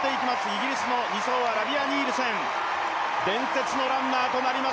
イギリスの２走はラビア・ニールセン。